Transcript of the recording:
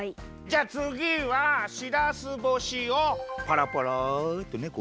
じゃあつぎはしらす干しをぱらぱらってね